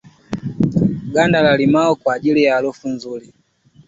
Ganda la limao kwa ajili ya harufu nzuri